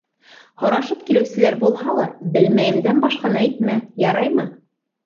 Һорашып килеүселәр булһа ла, белмәйемдән башҡаны әйтмә, яраймы.